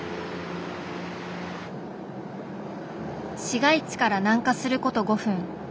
市街地から南下すること５分。